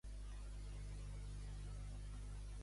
Pots posar-me un caputxino?